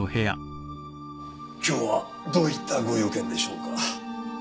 今日はどういったご用件でしょうか？